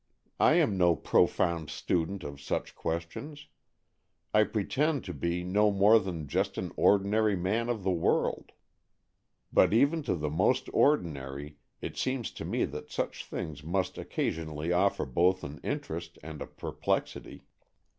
I am no pro found student of such questions. I pretend to be no more than just an ordinary man of the world. But even to the most ordinary 30 AN EXCHANGE OF SOULS it seems to me that such things must occa sionally offer both an interest and a per plexity.